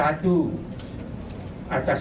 tetapi ini belum terklarifikasi